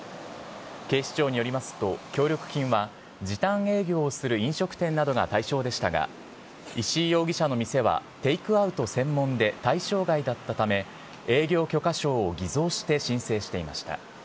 警視庁によりますと、協力金は、時短営業をする飲食店などが対象でしたが、石井容疑者の店はテイクアウト専門で対象外だったため、営業許可証を偽造して申請していました。